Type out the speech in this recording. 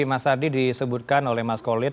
mas ardi disebutkan oleh mas kolit